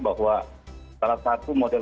bahwa salah satu model